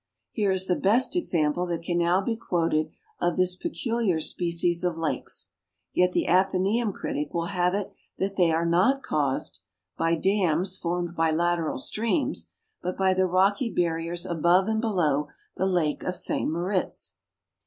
Here is the best example that can now be quoted of this pecu liar species of lakes ; yet the Athenteum critic Avill have it that they are not caused " by dams formed by lateral streams, but by the rocky bar riers above and below the lake of St Moritz.